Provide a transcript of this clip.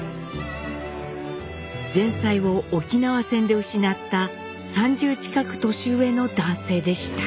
前妻を沖縄戦で失った３０近く年上の男性でした。